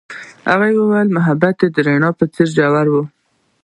هغې وویل محبت یې د رڼا په څېر ژور دی.